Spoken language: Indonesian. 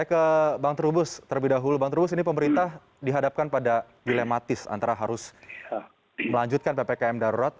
saya ke bang terubus terlebih dahulu bang trubus ini pemerintah dihadapkan pada dilematis antara harus melanjutkan ppkm darurat